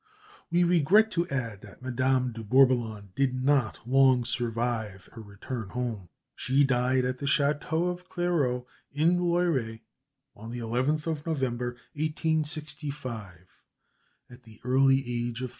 We regret to add that Madame de Bourboulon did not long survive her return home; she died at the château of Claireau, in Loiret, on the 11th of November, 1865, at the early age of 37.